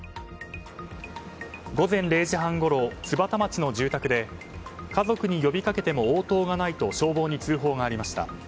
午前０時半ごろ津幡町の住宅で家族に呼びかけても応答がないと消防に通報がありました。